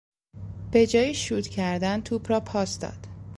به جای شوت کردن توپ را پاس داد.